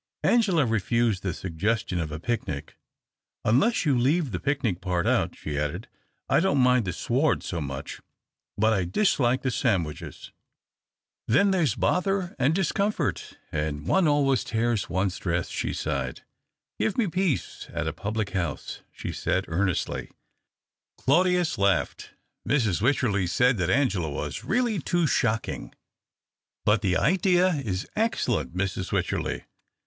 Angela refused the suggestion of a picnic. " Unless you leave the picnic part out," she added, " I don't mind the sward so much, but I dislike the sandwiches. Then there's bother THE OCTAVE OF CLAUDIUS. 245 and discomfort, and one always tears one's dress," she sighed. " Give me peace and a public liouse," she said earnestly. Claudius laughed. Mrs. Wycherley said that Angela was really too shocking. " But the idea is excellent, Mrs. Wycherley.